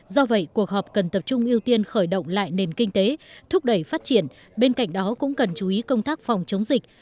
do vậy cuộc họp cần tập trung ưu tiên khởi động lại nền kinh tế thúc đẩy phát triển bên cạnh đó cũng cần chú ý công tác phòng chống dịch